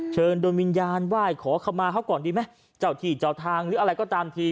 เชิญโดยวิญญาณไหว้ขอคำมาเขาก่อนดีไหมเจ้าที่เจ้าทางหรืออะไรก็ตามที